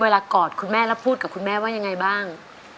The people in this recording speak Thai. กอดคุณแม่แล้วพูดกับคุณแม่ว่ายังไงบ้าง